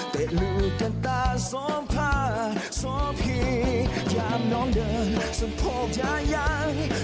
เตะลูกกันตาส่อพ่าส่อพี่ยามน้องเดินสะโพกยายัง